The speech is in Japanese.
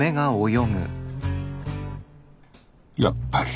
やっぱり。